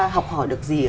học hỏi được gì